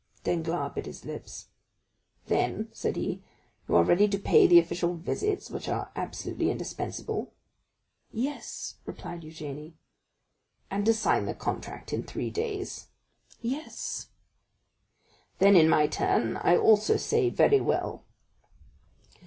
Danglars bit his lips. "Then," said he, "you are ready to pay the official visits, which are absolutely indispensable?" "Yes," replied Eugénie. "And to sign the contract in three days?" "Yes." "Then, in my turn, I also say, very well!"